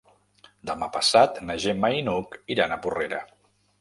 Demà passat na Gemma i n'Hug iran a Porrera.